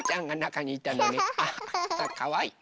かわいい。